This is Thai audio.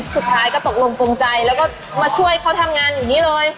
สุดท้ายก็ตกลงตรงใจแล้วก็มาช่วยเขาทำงานอยู่นี่เลย